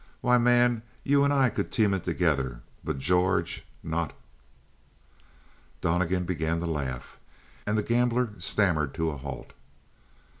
Why, man, you and I could team it together. But George not " Donnegan began to laugh, and the gambler stammered to a halt.